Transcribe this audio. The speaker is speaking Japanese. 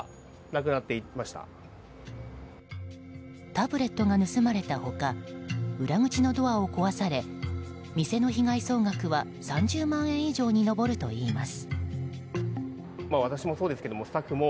タブレットが盗まれた他裏口のドアを壊され店の被害総額は３０万円以上に上るといいます。